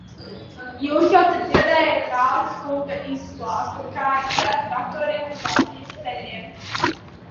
Jūs jau te dzirdējāt Rāznas kunga izklāstu, kā ir ar traktoriem uz Latvijas ceļiem.